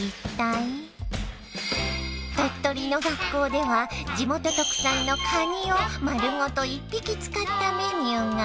鳥取の学校では地元特産のカニを丸ごと一匹使ったメニューが！